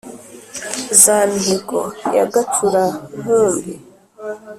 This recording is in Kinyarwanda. Za Mihigo ya Gacura-nkumbi,